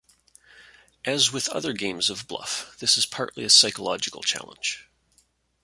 As with other games of bluff, this is partly a psychological challenge.